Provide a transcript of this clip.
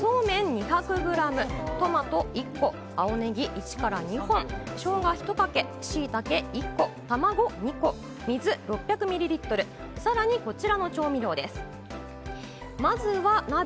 そうめん２００グラム、トマト１個、青ネギ１２本、しょうが１かけ、しいたけ１個、卵２個、水６００ミリリットル、さらにこちらの調味料です。